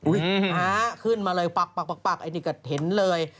ขึ้นมาเลยปักไอ้นี่ก็เห็นเลย